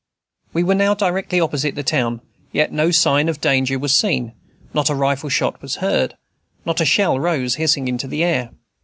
We were now directly opposite the town: yet no sign of danger was seen; not a rifle shot was heard; not a shell rose hissing in the air.